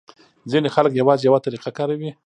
ځینې خلک یوازې یوه طریقه کاروي.